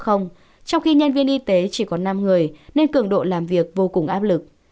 trong khi nhân viên y tế chỉ có năm người nên cường độ làm việc vô cùng áp lực